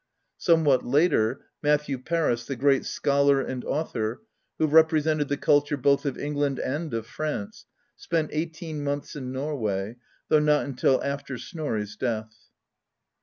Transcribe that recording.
Somewhat later, Matthew Paris, the great scholar and author, who represented the culture both of England and of France, spent eighteen months in Nor way, though not until after Snorri's death.